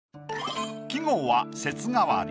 季語は「節替り」。